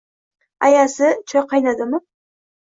Ayasi, choy qaynadimi